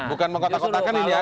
bukan mengotak otakan ini ya